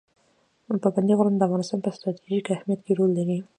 پابندی غرونه د افغانستان په ستراتیژیک اهمیت کې رول لري.